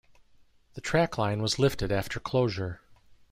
The track line was lifted after closure.